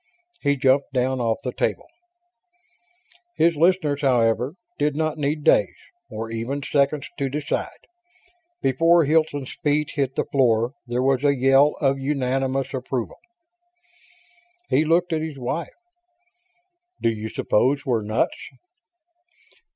He jumped down off the table. His listeners, however, did not need days, or even seconds, to decide. Before Hilton's feet hit the floor there was a yell of unanimous approval. He looked at his wife. "Do you suppose we're nuts?"